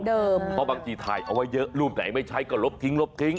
เพราะบางทีถ่ายเอาไว้เยอะรูปไหนไม่ใช้ก็ลบทิ้งลบทิ้ง